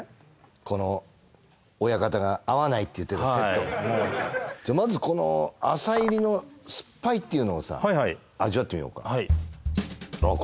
この親方が合わないって言ってたセットじゃまずこの浅煎りの酸っぱいっていうのをさ味わってみようかはいあっ